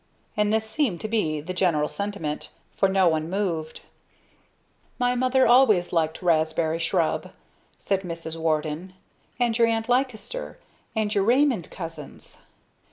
And this seemed to be the general sentiment; for no one moved. "My mother always liked raspberry shrub," said Mrs. Warden; "and your Aunt Leicester, and your Raymond cousins."